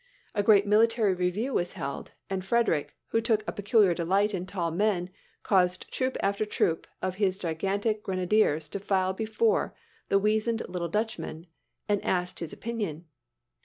A great military review was held; and Frederick, who took a peculiar delight in tall men, caused troop after troop of his gigantic grenadiers to file before the weazened little Dutchman, and asked his opinion.